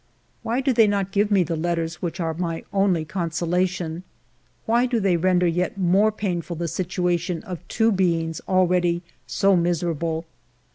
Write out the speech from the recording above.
" Why do they not give me the letters which are my only consolation ? Why do they render yet more painful the situation of two beings al ready so miserable